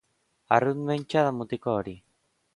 Arrunt mentsa da mutiko hori.